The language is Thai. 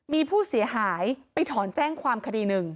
มีผู้เสียหายไปถอนแจ้งความคดีหนึ่ง